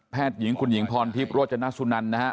หญิงคุณหญิงพรทิพย์โรจนสุนันนะฮะ